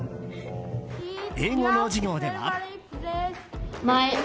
英語の授業では。